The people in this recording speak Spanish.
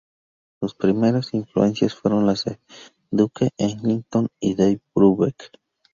Sus primeras influencias fueron las de Duke Ellington y Dave Brubeck.